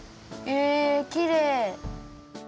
えきれい！